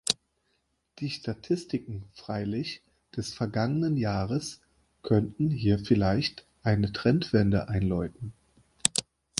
Die Statistiken freilich des vergangenen Jahres könnten hier vielleicht eine Trendwende einläuten.